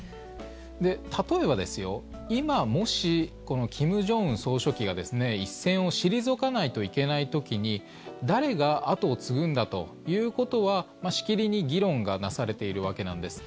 例えば、今もしこの金正恩総書記が一線を退かないといけない時に誰が後を継ぐんだということはしきりに議論がなされているわけなんです。